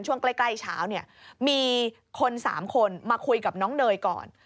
ช่วงใกล้เช้าเนี่ยมีคน๓คนมาคุยกับน้องเนยก่อน